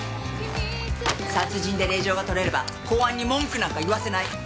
殺人で令状が取れれば公安に文句なんか言わせない。